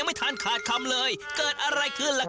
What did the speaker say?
โอ้โอ้ยโอ้ยโอ้ยโอ้ยโอ้ยโอ้ยโอ้ย